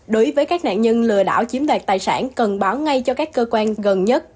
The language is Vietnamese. đối với các nạn nhân lừa đảo chiếm đoạt tài sản cần báo ngay cho các cơ quan gần nhất